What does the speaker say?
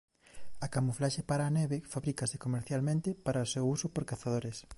A camuflaxe para a neve fabrícase comercialmente para o seu uso por cazadores.